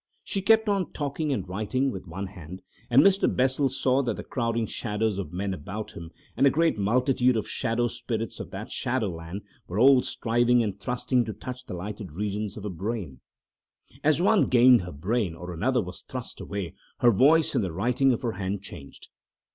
She kept on talking and writing with one hand. And Mr. Bessel saw that the crowding shadows of men about him, and a great multitude of the shadow spirits of that shadowland, were all striving and thrusting to touch the lighted regions of her brain. As one gained her brain or another was thrust away, her voice and the writing of her hand changed.